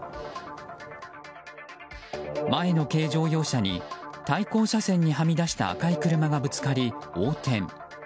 前の軽乗用車に対向車線にはみ出した赤い車がぶつかり、横転。